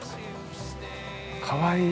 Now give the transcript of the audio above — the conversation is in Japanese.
◆かわいい。